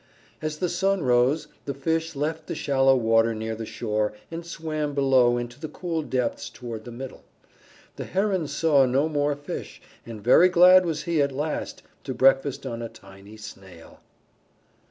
As the sun rose, the fish left the shallow water near the shore and swam below into the cool depths toward the middle. The Heron saw no more fish, and very glad was he at last to breakfast on a tiny Snail.